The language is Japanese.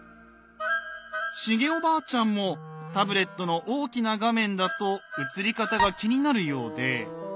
シゲおばあちゃんもタブレットの大きな画面だと映り方が気になるようで。